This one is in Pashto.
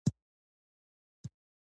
ښوونځی د نوښت سرچینه ده